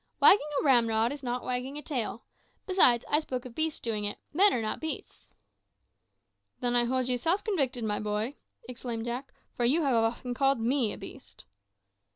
"Wagging a ramrod is not wagging a tail. Besides, I spoke of beasts doing it; men are not beasts." "Then I hold you self convicted, my boy," exclaimed Jack; "for you have often called me a beast."